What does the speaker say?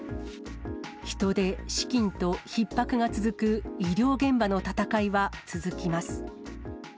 人手、資金とひっ迫が続く医療現場の闘いは続きます。